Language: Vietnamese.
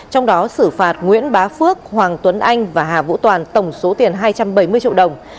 trong đó xử phạt nguyễn bá phước hoàng tuấn anh và hà vũ toàn tổng số tiền hai trăm bảy mươi triệu đồng